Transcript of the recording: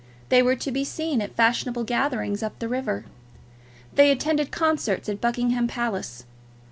They were to be seen at fashionable gatherings up the river. They attended concerts at Buckingham Palace.